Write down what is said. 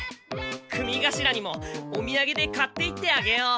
組頭にもおみやげで買っていってあげよう。